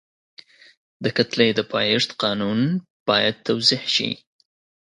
د کتلې د پایښت قانون باید توضیح شي.